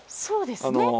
そうですね。